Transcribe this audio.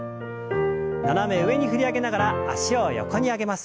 斜め上に振り上げながら脚を横に上げます。